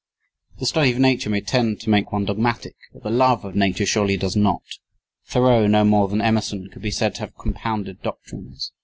The study of Nature may tend to make one dogmatic, but the love of Nature surely does not. Thoreau no more than Emerson could be said to have compounded doctrines.